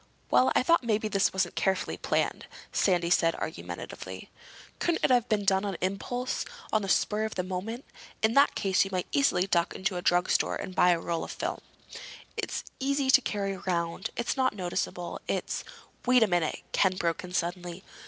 "Well, I thought maybe this wasn't carefully planned," Sandy said argumentatively. "Couldn't it have been done on impulse—on the spur of the moment? In that case you might easily duck into a drugstore and buy a roll of film. It's easy to carry around. It's not noticeable. It's—" "Wait a minute!" Ken broke in suddenly.